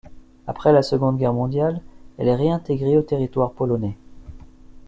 Après la Seconde Guerre mondiale, elle est réintégrée au territoire polonais.